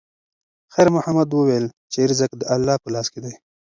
خیر محمد وویل چې رزق د الله په لاس کې دی.